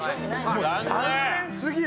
もう残念すぎる！